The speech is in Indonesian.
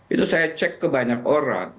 itu saya cek ke banyak orang